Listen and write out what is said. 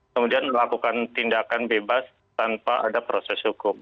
kemudian melakukan tindakan bebas tanpa ada proses hukum